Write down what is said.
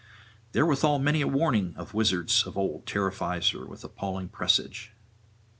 Therewithal many a warning of wizards of old terrifies her with appalling presage.